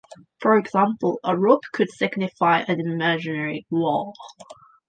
For example, a rope could signify an imaginary wall.